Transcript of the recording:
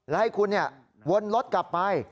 และให้คุณวนรถกลับไป